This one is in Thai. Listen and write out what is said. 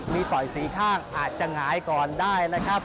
มีปล่อยสี่ข้างอาจจะหงายก่อนได้นะครับ